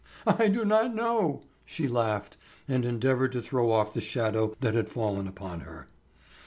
"I do not know." She laughed and endeavored to throw off the shadow that had fallen upon her.